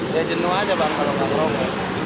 ya jenua aja barang barang yang merokok